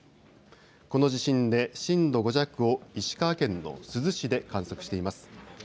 この地震で震度５弱を石川県の珠洲市で観測しています。